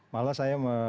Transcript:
malah saya meminta